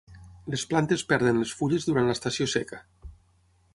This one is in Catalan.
Les plantes perden les fulles durant l'estació seca.